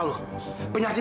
kamu bisa pergi sama saya